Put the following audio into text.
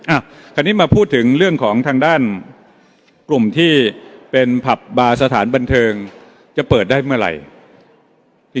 คราวนี้มาพูดถึงเรื่องของทางด้านกลุ่มที่เป็นผับบาร์สถานบันเทิงจะเปิดได้เมื่อไหร่